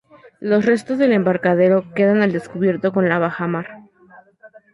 Los restos del embarcadero quedan al descubierto con la bajamar.